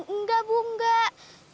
enggak bu enggak